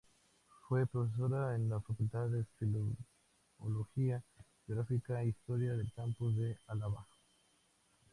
Fue profesora en la Facultad de Filología, Geografía e Historia del campus de Álava.